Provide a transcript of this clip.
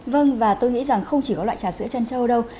vâng và tôi nghĩ rằng không chỉ có loại trà sữa chân châu đâu